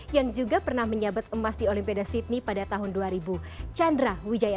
yang juga pernah menyabat emas di olimpiade sydney pada tahun dua ribu chandra wijaya